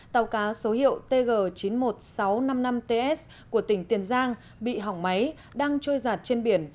tàu cá số hiệu tg chín mươi một nghìn sáu trăm năm mươi năm ts của tỉnh tiền giang bị hỏng máy đang trôi giạt trên biển